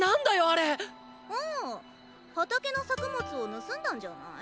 畑の作物を盗んだんじゃない？